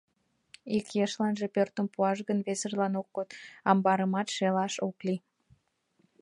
Ик ешланже пӧртым пуаш гын, весыжлан ок код; амбарымат шелаш ок лий.